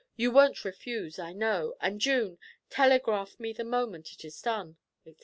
You won't refuse, I know; and, June, telegraph me the moment it is done,' etc.